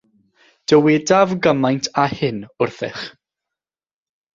Dywedaf gymaint â hyn wrthych.